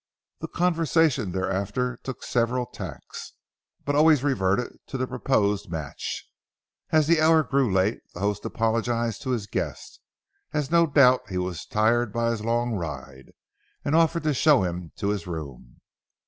The conversation thereafter took several tacks, but always reverted to the proposed match. As the hour grew late, the host apologized to his guest, as no doubt he was tired by his long ride, and offered to show him his room.